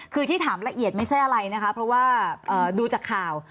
คือที่ถามละเอียดไม่ใช่อะไรนะคะเพราะว่าดูจากข่าว